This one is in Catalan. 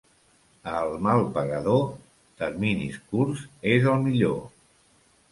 Al mal pagador, terminis curts és el millor.